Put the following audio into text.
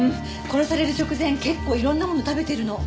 殺される直前結構いろんなもの食べてるの。